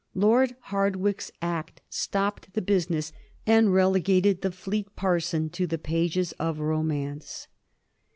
Lord Hardwicke's Act stopped the business and relegated the Fleet parson to the pages of romance.